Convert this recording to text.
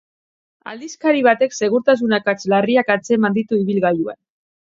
Aldizkari batek segurtasun akats larriak atzeman ditu ibilgailuan.